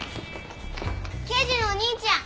刑事のお兄ちゃん。